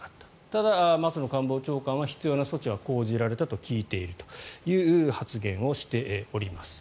ただ、松野官房長官は必要な措置は講じられたと聞いているという発言をしております。